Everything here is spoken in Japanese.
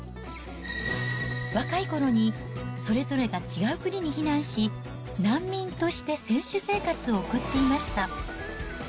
若いころにそれぞれが違う国に避難し、難民として選手生活を送っていました。